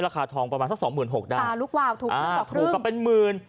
ราคาทองประมาณสักสิบหมื่นหกด้านอ่าลูกว่าก็ถูกถูกกับเป็นหมื่น